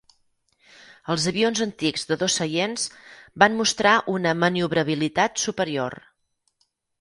Els avions antics de dos seients van mostrar una maniobrabilitat superior.